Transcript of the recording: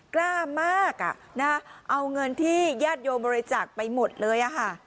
กล้ามากเอาเงินที่ญาติโยมบริจาคไปหมดเลย